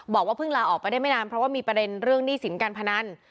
บอกว่าเพิ่งลาออกไปได้ไม่นานเพราะว่ามีประเด็นเรื่องหนี้สินการพนัน